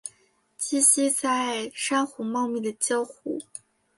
栖息在珊瑚茂密的礁湖。